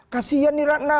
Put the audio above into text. kasian nih rana